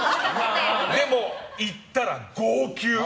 でも、行ったら号泣。